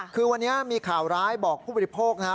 คือวันนี้มีข่าวร้ายบอกผู้บริโภคนะฮะ